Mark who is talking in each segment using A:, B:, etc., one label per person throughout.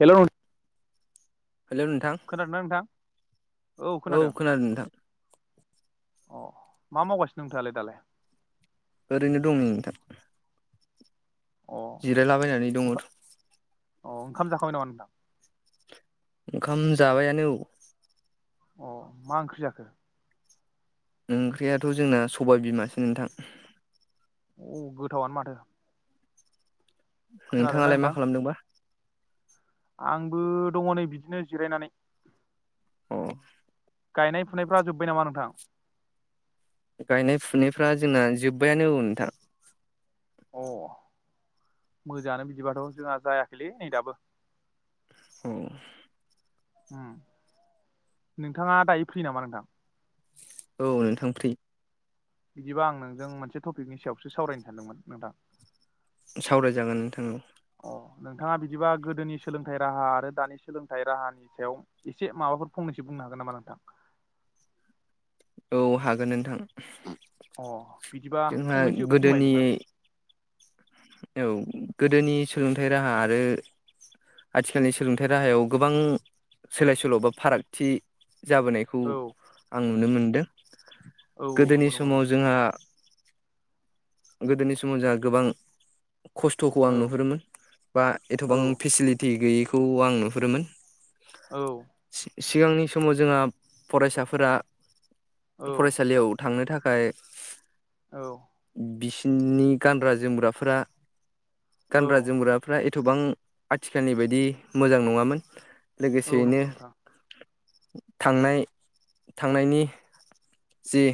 A: हेल'
B: hello नोंथां
A: खोनादो ना नोंथां?
B: औ खोनादों नोंथां।
A: अ मा मावगासिनो नोंथाङालाय दालाय?
B: ओरैनो दं नोंथां।
A: अ ओंखाम
B: जिरायलाबायनानै दङ।
A: अ ओंखाम जाखांबाय नामा नोंथां?
B: ओंखाम जाबायानो औ।
A: अ मा ओंख्रि जाखो?
B: ओंख्रियाथ' जोंना सबाय बिमासो नोंथां।
A: औ गोथावनो माथो। खोनादोंना
B: नोंथाङालाय मा
A: नोंथां
B: खालामदोंबा?
A: आंबो दङ नै बिदिनो जिरायनानै।
B: औ
A: गायनाय फुनायफ्रा जोबबाय नामा नोंथां?
B: गायनाय फुनायफ्रा जोंना जोबबायानो औ नोंथां।
A: अ मोजाङानो बिदिबाथ' जोंहा जायाखैलै नै दाबो।
B: औ
A: नोंथाङा दायो फ्रि नामा नोंथां?
B: औ नोंथां फ्रि।
A: बिदिबा आं नोंजों मोनसे टपिकनि सायावसो सावरायनो सानदोंमोन नोंथां।
B: सावरायजागोन नोंथां औ।
A: अ नोंथाङा बिदिबा गोदोनि सोलोंथाइ राहा आरो दानि सोलोंथाइ राहानि सायाव एसे माबाफोर फंनै सो बुंनो हागोन नामा नोंथां?
B: औ हागोन नोंथां।
A: अ बिदिबा
B: जोंहा
A: फंनैसो बुंलाय
B: गोदोनि
A: नोंथां
B: औ गोदोनि सोलोंथाइ राहा आरो आथिखालनि सोलोंथाइ राहायाव गोबां सोलाय सोल' बा फारागथि जाबोनायखौ
A: औ
B: आं नुनो मोनदों
A: औ
B: गोदोनि
A: नंगौ नंगौ
B: समाव
A: नोंथां
B: जोंहा गोदोनि समाव जोंहा गोबां खस्थ'खौ
A: औ
B: आं नुहुरोमोन बा
A: औ
B: एथबां फेसिलिटि गैयैखौ आं नुहुरोमोन।
A: औ।
B: सिगांनि समाव जोंहा फरायसाफोरा
A: औ
B: फरायसालियाव थांनो थाखाय फाय
A: औ
B: बिसोरनि गानग्रा जोमग्राफोरा गानग्रा जोमग्राफ्रा एथ'बां आथिखालनि बायदि मोजां नङामोन
A: औ
B: लोगोसेयैनो
A: नंगौ नोंथां
B: थांनाय थांनायनि जि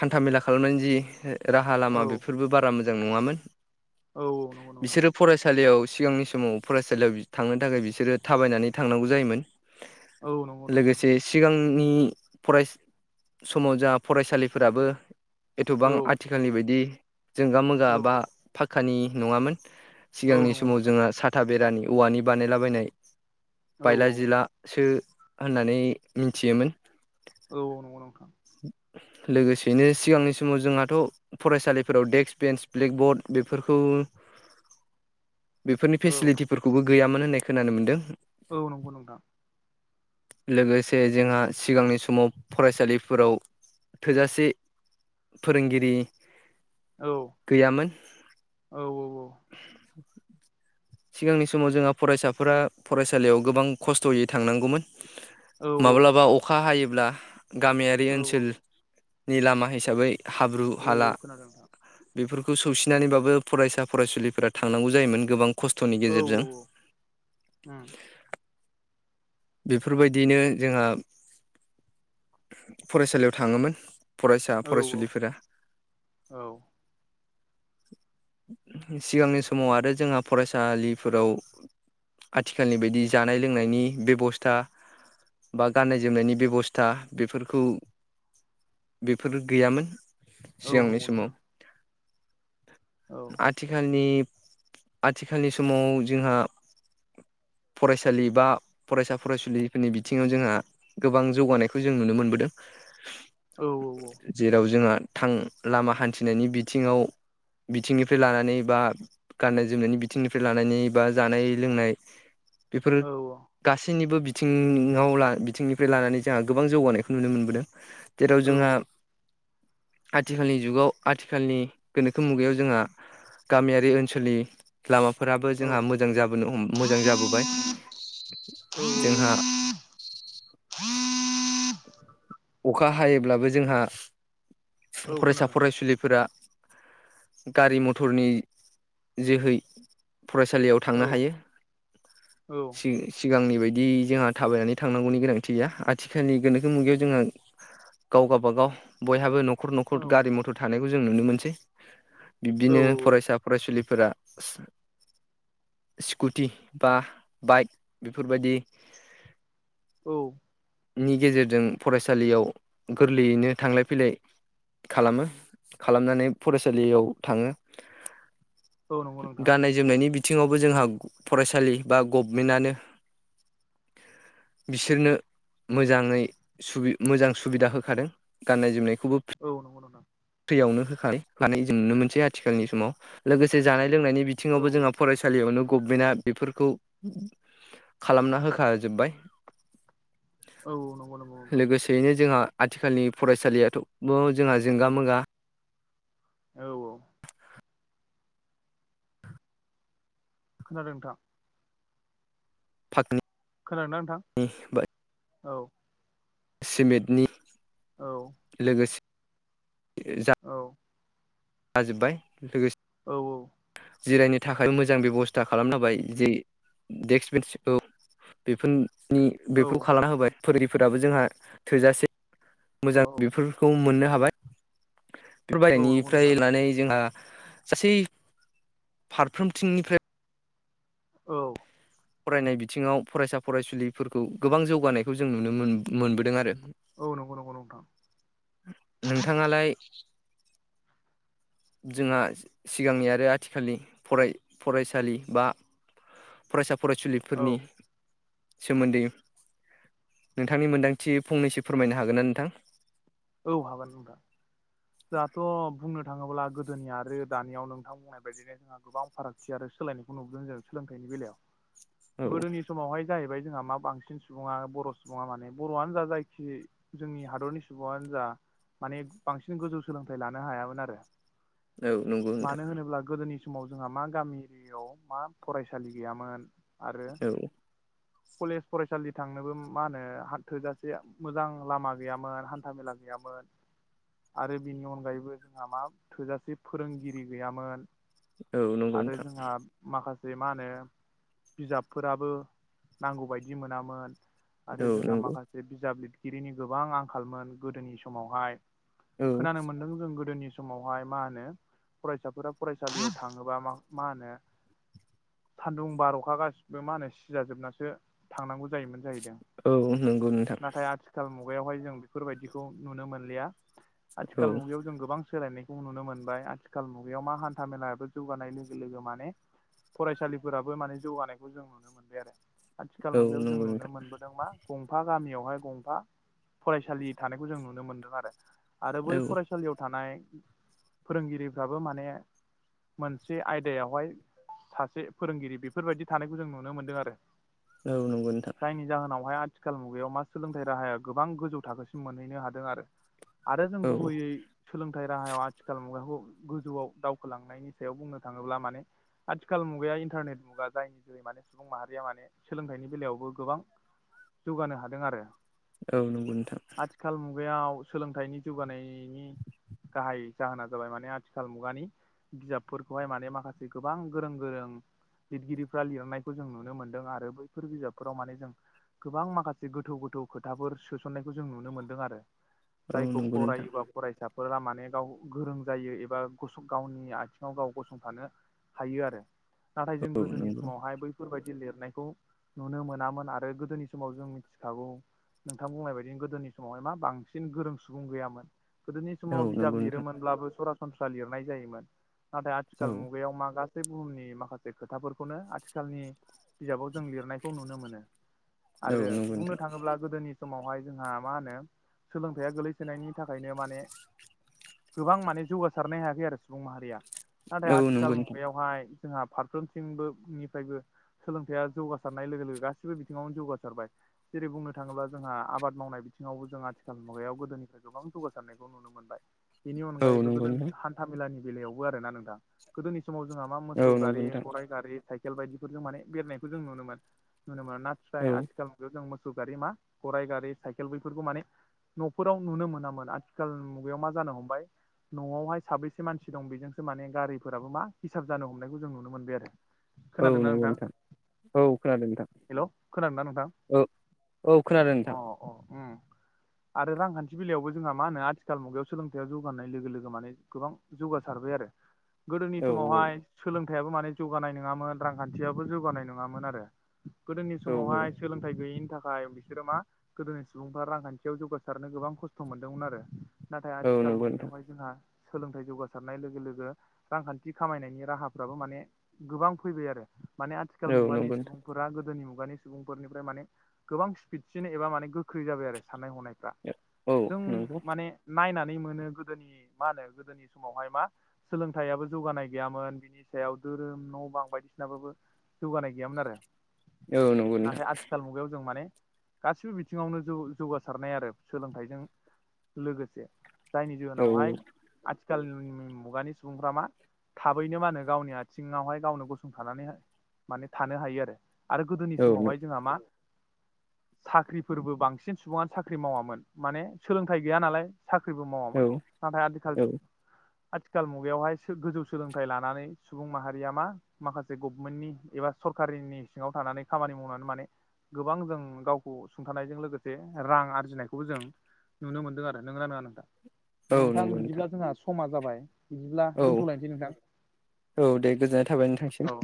B: हान्थाामेला खालामनायनि जि राहा
A: औ
B: लामा बेफोरबो बारा मोजां नङामोन।
A: औ नंगौ नोंथां
B: बिसोरो फरायसालियाव सिगांनि समाव फरायसालियाव थांनो थाखाय बिसोरो थाबायनानै थांनांगौ जायोमोन।
A: औ नंगौ नोंथां
B: लोगोसे सिगांनि फराय समाव जा फरायसालि फोराबो एथ'बां
A: औ
B: आथिखालनि बायदि जोंगा मोगा
A: औ
B: बा फा खानि नङामोन
A: औ
B: सिगांनि
A: नंगौ
B: समाव
A: नोंथां
B: जोंहा साथा बेरानि औवानि बानायलाबायनाय
A: औ
B: बायला जिलासो होननानै मिथियोमोन।
A: औ नंगौ नंथां।
B: लोगोसेयैनो सिगांनि समाव जोंहाथ' फरायसालिफोराव डेक्स्क बेन्स ब्लेकबर्ड बेफोरखौ उ
A: [inaudible]
B: बेफोरनि
A: औ
B: फेसिलिटिफोरखौबो गैयामोन होननाय खोनानो मोन्दों।
A: औ नंगौ नोंथां
B: लोगोसे जोंहा सिगांनि समाव फरायसालि फोराव थोजासे फोरोंगिरि
A: औ
B: गैयामोन [inaudible]
A: औ
B: सिगांनि समाव जोंहा फरायसाफोरा फरायसालियाव गोबां खस्थ'यै थांनांगौमोन।
A: औ
B: माब्लाबा अखा हायोब अब्ला गामियारि
A: औ
B: ओनसोलनि लामा हिसाबै हाब्रु हाला
A: औ खोनादों नोंथां
B: बेफोरखौ सौसि थिनानैबाबो फरायसा फरायसुलिफोरा थांनांगौ जायोमोन गोबां खस्थ'नि
A: औ औ
B: गेजेरजों।
A: उम
B: [unintelligible] बेफोरबायदियैनो जोंहा फरायसालियाव थाङोमोन। फरायसा
A: औ
B: फरायसुलिफोरा
A: औ
B: सिगांनि समाव आरो जोंहा फरायसालिफोराव आथिखालनि बायदि जानाय लोंनायनि बेब स्था बा गनाय जोमनायनि बेबस्था बेफोरखौ बेफोर गैयामोन
A: औ
B: सिगांनि
A: नंगौ
B: समाव।
A: नोंथां औ
B: आथिखालनि आथिखालनि समाव जोंहा फरायसालि बा फरायसा फरायसुलिफोरनि बिथिङाव जोंहा गोबां जौगानायखौ जों नुनो मोनबोदों
A: औ
B: जेराव जोंहा थां लामा हान्थिनायनि बिथिङाव बिथिंनिफ्राय लानानै बा गाननाय जोमनायनि बिथिंनिफ्राय लानानै बा जानाय लोंनाय बेफोरो
A: औ
B: गासै निबो बिथिङाव ला बिथिंनिफ्राय लानानै जोंहा गोबां जौगानायखौ नुनो मोनबोदों। जेराव जोंहा आथिखालनि जुगाव आथिखालनि गोनोखो मुगायाव जोंहा गामियारि ओनसोलनि लामा फोराबो
A: औ
B: जोंहा मोजां जाबोनो हम मोजां जाबोबाय।
A: औ
B: जोंहा [inaudible] अखा हायोब्लाबो जोंहा
A: औ
B: फरायसा
A: खोनादों
B: फरायसुलिफोरा गारि मथरनि जोहै फरायसालियाव
A: औ
B: थांनो हायो।
A: औ
B: सि-सिगांनि बायदि जोंहा थाबायनानै थांनांगौनि गोनांथि गैया आथिखालनि गोनोखो मुगायाव जोंहा गाव गावबागाव बयहाबो न'खर न'खर गारि मथर थानाय खौ जों नुनो मोनसै।
A: औ
B: बिब्दिनो फरायसा फरायसुलिफोरा स्कुटि बा बाइक बेफोरबायदि
A: औ।
B: नि गेजेरजों फरायसालियाव गोरलैयैनो थांलाय फैलाय खालामो खालामनानै फरायसालियाव थाङो।
A: औ नंगौ नोंथां
B: गाननाय जोमनायनि बिद थिङावबो जोंहा फरायसालि बा गभमेन्टनो बिसोरनो मोजाङै सुबि मोजां सुबिदा होखादों गाननाय जोमनाय खौबो फिट
A: औ नंगौ नोंथां
B: फ्रियावनो। [unintelligible] जों नुनो मोनसै आथिखालनि समाव। लोगोसे जानाय लोंनायनि
A: औ
B: बिथिङावबो जोंहा फरायसालियावनो गभमेन्टआ बेफोरखौ खालामना होखाजोब्बाय।
A: औ नंगौ नंगौ नोंथां
B: लोगोसेयैनो जोंहा। आथिखालनि फरायसालियाथ'बो जोंहा जोंगा-मोगा।
A: औ-औ। खोनादों नोंथां।
B: फाक्नि।
A: खोनादोंना नोंथां औ।
B: सिमेटनि।
A: औ
B: लोगोसे जा।
A: औ
B: जाजोबबाय लोगोसे।
A: औ-औ।
B: जिरायनो थाखाय मोजां बेब'स्था खालामनांबाय जे डेक्स बेन्स औ बेफोर। नि
A: औ
B: बेफोरखौ खालामना होबाय फोरोंगिरिफोराबो जोंहा थोजासे। मोजां
A: औ
B: बेफोरखौ मोननो हाबाय बेफोर
A: औ नंगौ
B: बायनायनिफ्राय
A: नोंथां
B: लानानै जोंहा। गासै फारफ्रोमथिंनिफ्राय।
A: औ।
B: फरायनाय बिथिङाव फरायसा फरायसुलिफोरखौ गोबां जौगानायखौ जों नुनो मोन मोनबोदों आरो।
A: औ नंगौ नंगौ नंगौ नोंथां।
B: नोंथाङालाय। जोंहा सिगांनि आरो आथिखालनि फराय फरायसालि बा। फरायसा
A: औ
B: फरायसुलिफोरनि। सोमोन्दै नोंथांनि मोन्दांथि फंनैसो फोरमायनो हागोन ना नोंथां।
A: औ हागोन नोंथां। जाहाथ' बुंनो थाङोब्ला गोदोनिया आरो दानियाव नोंथां बुंनाय बायदिनो जोंहा गोबां फारागथि आरो। सोलायनायखौ नुबोदों जों सोलोंथाइनि बेलायाव
B: औ
A: गोदोनि समावहाय जाहैबाय। जोंहा मा बांसिन सुबुंङा बर' सुबुं आ माने बर'आनो जा जायखि जोंनि हादरनि सुबुं। सुबुंआनो जा माने बांसिन गोजौ सोलोंथाइ लानो हायामोन आरो।
B: औ नंगौ नोंथां
A: मानो होनोब्ला गोदोनि सम। समाव जोंहा मा गामि एरिययाव मा फरायसालि गैयामोन आरो।
B: औ
A: कलेज फरायसालि थांनोबो मा होनो हाथो-जासेआ मोजां लामा गैयामोन। हान्थामेला गैयामोन। आरो बिनि अनगायैबो जोंहा मा थोजासे फोरोंगिरि गैयामोन।
B: औ नंगौ
A: आरो
B: नोंथां
A: जोंहा माखासे। जे मा होनो बिजाबफोराबो नांगौबायायदि मोनामोन। आरो
B: औ
A: जोंहा
B: नंगौ
A: माखासे बिजाब लिरगिरिनि गोबां आंखालमोन गोदोनि समावहाय।
B: औ
A: खोनानो मोनदों जों गोदोनि। समावहाय मा होनो फरायसाफोरा फरायसालियाव थाङोबा मा होनो। सान्दुं बार'खा गासिबो मा होनो सिजाजोबनासो थांनांगौ जायोमोन जाहैदों।
B: औ औ नंगौ नोंथां
A: नाथाय आथिखाल मुगायावहाय जों बेफोरबायदिखौ नुनो मोनलिया
B: औ
A: आथिखाल मुगायाव जों गोबां सोलायनाय नुनो मोनबाय आथिखाल मुगायाव मा हान्था मेलायाबो जौगानाय लोगो लोगो माने फरायसालिफोराबो माने जौगानायखौ जों नुनो मोनबाय आरो। आथिखाल
B: औ
A: मुगायाव जों
B: नंगौ
A: नुनो
B: नोंथां
A: मोनबोदों मा गंफा गामियावहाय गंफा फरायसालि थानायखौ जों नुनो मोनदों आरो आरो बै
B: औ
A: फरायसालियाव थानाय फोरोंगिरिफ्राबो माने मोनसे आयदायावहाय सासे फोरोंगिरि बेफोरबायदि थानायखौ जों नुनो मोनदों आरो।
B: औ नंगौ नोंथां
A: जायनि जाहोनावहाय आथिखाल मुगायाव मा सोलोंथाइ राहाया गोबां गोजौ थाखोसि मोनहैनो हादों आरो जों
B: औ
A: गुबैयै सोलोंथाइ राहायाव आथिखाल मुगाखौ गोजौआव दावखोलांनायनि सायाव बुंनो थाङोब्ला माने आथिखाल मुगाया इन्टारनेट मुगा जायनि जै माने सुबुं माहारिया माने सोलोंथाइनि बेलायावबो गोबां जौगानो हादों आरो।
B: औ नंगौ
A: आथिखाल मुगायाव सोलोंथाइनि जौगानायनि गाहाय जाहोना जाबाय माने आथिखाल मुगानि बिजाबफोरखौहाय माने माखासे गोबां गोरों गोरों लिरगिरिफ्रा लिरनायखौ जों नुनो मोन्दों आरो बैफोर बिजाबफोराव माने जों गोबां माखासे गोथौ- गोथौ खोथाफोर सोसननायखौ जों नुनो मोन्दों आरो
B: औ
A: जायखौ
B: नंगौ नोंथां
A: फरायोबा फरायसा फोरामाने गाव गोरों जायो एबा गावनि आथिङाव गाव गसंथानो हायो आरो नाथाय जों
B: औ
A: गोदोनि
B: नंगौ
A: समावहाय बै बेफोरबायाददि लिरनायखौ नुनो मोनामोन आरो गोदोनि समाव जों मिथिखागौ नोंथां बुंनाय बाय दिगोदोनि समावहाय मा बांसिन गोरों सुबुं गैयामोन गोदोनि
B: औ
A: समाव बिजाब
B: नंगौ नोंथां
A: लिरोमोनब्लाबो सरास सनस्रा लिरनाय जायोमोन नाथाय
B: औ
A: आथिखाल मुगायाव मा गासै बुहुमनि माखासे खोथाफोरखौनो आथिखालनि बिजाबाव जों लिरनायखौ नुनो मोनो
B: औ
A: आरो
B: नंगौ
A: बुंनो
B: नोंथां
A: थाङोब्ला गोदोनि समावहाय जोंहा मा होनो सोलोंथाइा गोलैसोनायनि थाखायनो माने गोबां माने जौगासारनो हायाखै आरो सुबुं माहारिया नाथाय
B: औ
A: आथिखाल
B: नंगौ नोंथां
A: मुगायावहाय जोंहा फारफ्रोमसिंबो निफ्रायबो सोलोंथाइया जौगासारनाय लोगो लोगो गासिबो बिथिङावनो जौगासारबाय जेरै बुंनो थाङोब्ला जोंहा आबाद मावनाय बिथिङावबो जों आथिखाल मुगायाव गोदोनिफ्राय गोबां जौगासारनायखौ नुनो मोनबाय बेनि
B: औ
A: अनगायैबो
B: नंगौ
A: गोदो
B: नोंथां
A: हान्था- मेलानि बेलायावबो आरो ना नोंथां गोदोनि समाव जोंहा मा
B: औ
A: मोसौ
B: नंगौ
A: गारि,
B: नोंथां
A: गराइ गारि, साइकेल बायदिफोरजों माने बेरनायखौ जों नुनो मोनोन नुनो मोनो नाथाइ
B: औ
A: आथिखाल मुगायाव जों मोसौ गारि मा गराइ गारि साइकेल बैफोरखौ माने न'फोराव नुनो मोनामोन आथिखाल मुगायाव मा जानो हमबाय न'आवहाय साब्रैसे मानसि दं बेजोंसो माने गारिफोराबो मा हिसाब जानो हमनायखौ जों नुनो मोनबाय आरो
B: औ नंगौ नोंथां औ खोनादों नोंथां
A: हेल' खोनादोंना नोंथां
B: औ - औ खोनादों नोंथां
A: उ आरो रांखान्थि बेलायावबो जोंहा मा होनो आथिखाल मुगायाव सोलोंथायाइाव जौग होनाय लोगो - लोगो मान गोबां जौगासार दो आरो गोदोनि
B: औ
A: समावहाय सोंलों थायाबो माने जौगानाय नङामोन रांखान्थियाबो जौगानाय नङामोन आरो गोदोनि
B: औ औ
A: समावहाय सोलोंथाइ गैयिनि थाखाय बिसोरो मा गोदोनि सुबुंफ्रा रांखान्थियाव जौगासारनो गोबां खस्थ' मोन्दोंमोन आरो नाथाय
B: औ
A: आथिखाल
B: नंगौ नोंथां
A: मुगायावहाय जोंहा सोलोंथाइ जौगासारनाय लोगो लोगो रांखान्थि खामायनायनि राहाफ्राबो माने गोबां फैबाय आरो माने आथिखाल
B: औ
A: मुगानि
B: नंगौ नोंथां
A: सुबुंफोरा गोदोनि मुगानि सुबुंफोरनिफ्राय माने गोबां स्पिडसिन एबा माने गोख्रै जाबाय आरो साननाय हनायफ्रा
B: औ
A: जों
B: नंगौ
A: माने नायनानै नै मोनो गोदोनि माहोनो गोदोनि समावहाय मा सोलोंथाबो जौगानाय गैयामोन बिनि सायाव धोरोम न' बां बायदिसिनाबो जौगानाय गैयामोन आरो
B: औ नंगौ नोंथां
A: नाथाय आथिखाल मुगायाव जों माने गासिबो बिथिं सिङावनो जौ जौगासारनाय आरो सोलोंथाइजों लोगोसे जायनि
B: औ
A: जाहोनावहाय आथिखाल मुगानि सुबुंफ्रा मा थाबैनो मा होनो गावनि आथिङावहाय गावनो गसंथानानै माने थानो हायो आरो आरो गोदोनि
B: औ
A: समावहाय जोंहा मा साख्रि फोरबो बांसिन सुबुङानो साख्रि मावामोन माने सोलोंथाइ गैया नालाय साख्रिबो
B: औ
A: मावामोन नाथाय आथिखाल
B: औ
A: आथिखाल मुगायावहाय गोजौ सोलोंथाइ लानानै सुबुं माहारिया मा माखासे गभमेन्टनि एबा सरकारिनि सिङाव थानानै खामानि मावनानै माने गोबां जों गावखौ सुंथानायजों लोगोसे रां आरजिनायखौबो जों नुनो मोनदों आरो नोंना नङा नोंथां
B: औ
A: नोंथां
B: नंगौ
A: बिदिब्ला जोंहा समा जाबाय बिदिब्ला
B: औ
A: दोनथ'लायनोसै
B: औ दे गोजोननाय थाबाय नोंथांसिम
A: नोंथां औ